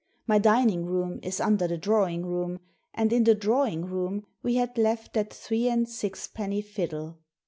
My dining room is under the drawing room, and in the drawing room we had left that three and sixpenny fiddle.